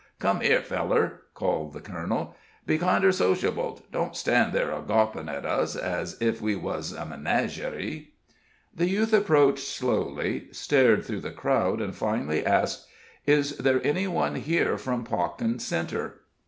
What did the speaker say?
Come here, feller," called the colonel; "be kinder sociable don't stand there a gawpin' at us ez ef we wuz a menagerie." The youth approached slowly, stared through the crowd, and finally asked: "Is there any one here from Pawkin Centre?"